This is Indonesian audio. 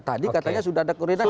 tadi katanya sudah ada koordinasi